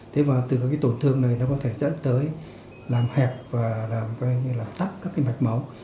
từ tổn thương này nó có thể dẫn tới làm hẹp và làm tắt các mạch máu